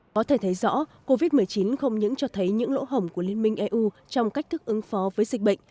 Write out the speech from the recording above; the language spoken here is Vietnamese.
có thể thấy rõ covid một mươi chín không những cho thấy những lỗ hổng của liên minh eu trong cách thức ứng phó với dịch bệnh